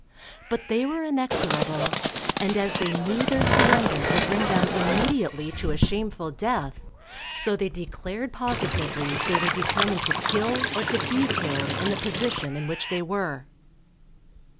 But they were inexorable, and as they knew their surrender would bring them immediately to a shameful death, so they declared positively they were determined to kill or to be killed in the position in which they were.